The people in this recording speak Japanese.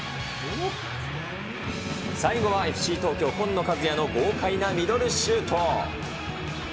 最後はＦＣ東京、紺野和也の豪快なミドルシュート。